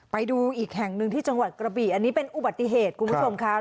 ไปดูอีกแห่งหนึ่งที่จังหวัดกระบี่อันนี้เป็นอุบัติเหตุคุณผู้ชมค่ะ